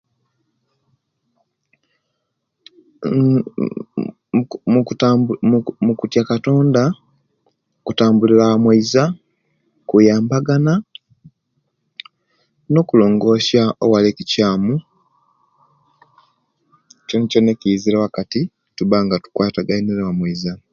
Mmm muku muku mukutam muku muku mukutya katonda kutambulira moiza kiyabagana nokulongosya owali echikyamu kyonkyona ekizire owakato tubanga tukwataganire mumoiza.